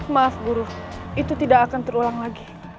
maaf buruh itu tidak akan terulang lagi